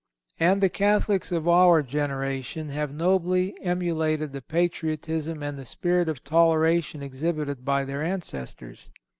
And the Catholics of our generation have nobly emulated the patriotism and the spirit of toleration exhibited by their ancestors.